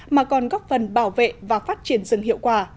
mà còn góp phần bảo vệ và phát triển rừng hiệu quả